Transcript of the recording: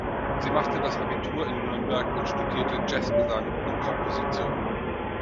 Sie machte das Abitur in Nürnberg und studierte Jazz-Gesang und Komposition.